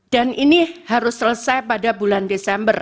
dan ini harus selesai pada bulan desember